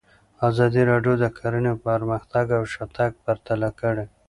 ازادي راډیو د کرهنه پرمختګ او شاتګ پرتله کړی.